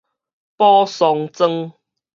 寶桑莊